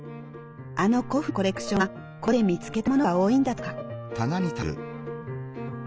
あの古布のコレクションはここで見つけたものが多いんだとか。